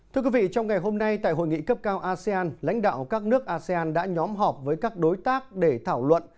thưa quý vị trong ngày hôm nay tại hội nghị cấp cao asean lãnh đạo các nước asean đã nhóm họp với các đối tác để thảo luận